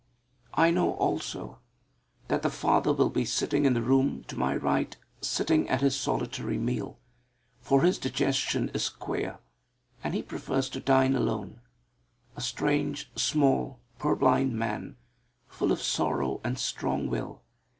I know also that the father will be sitting in the room to my right sitting at his solitary meal, for his digestion is queer, and he prefers to dine alone: a strange, small, purblind man, full of sorrow and strong will.